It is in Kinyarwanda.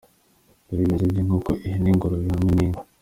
Dukora ibiryo by’inkoko, ihene , ingurube hamwe n’inka.